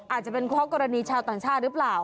อาจจะเป็นเพราะกรณีชาวต่างชาติหรือเปล่า